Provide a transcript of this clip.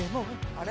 あれ？